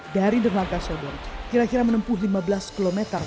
dari denaga sebor kira kira menempuh lima belas km